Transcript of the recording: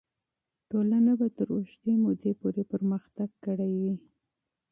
ټولنه به تر اوږدې مودې پورې پرمختګ کړی وي.